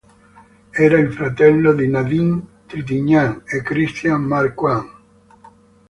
Era il fratello di Nadine Trintignant e Christian Marquand.